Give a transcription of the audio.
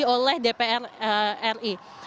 dari dpr ri